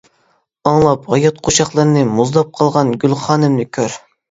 ئاڭلاپ ھايات قوشاقلىرىنى، مۇزلاپ قالغان گۈلخانىمنى كۆر.